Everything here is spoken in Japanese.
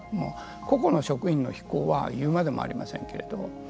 個々の職員の非行は言うでもありませんけど。